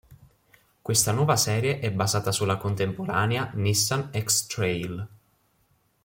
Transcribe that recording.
Questa nuova serie è basata sulla contemporanea Nissan X-Trail.